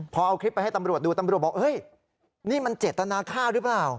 พอเอาคลิปไปให้ตำรวจดูตำรวจบอกเฮ้ยนี่มันเจตนาค่าหรือเปล่า